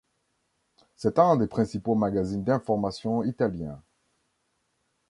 C'est un des principaux magazines d'information italiens.